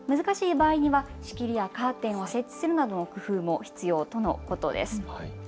難しい場合には仕切りやカーテンを設置するなどの工夫も必要とのことです。